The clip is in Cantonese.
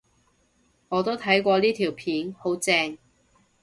我都睇過呢條片，好正